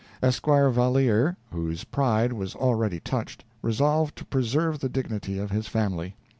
Esquire Valeer, whose pride was already touched, resolved to preserve the dignity of his family.